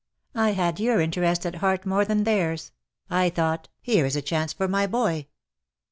I had your interest at heart more than theirs — I thought, ' here is a chance for my boy."